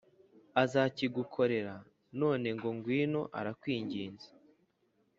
Azakigukorera none ngo ngwino arakwinginze